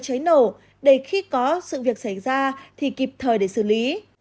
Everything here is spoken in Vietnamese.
cháy nổ để khi có sự việc xảy ra thì kịp thời để xử lý